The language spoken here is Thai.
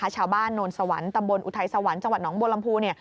ชาวบ้านโนรสวรรค์ตำบลอุทัยสวรรค์จังหวัดน้องโบรมภูรณ์